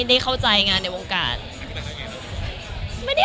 มันคิดว่าจะเป็นรายการหรือไม่มี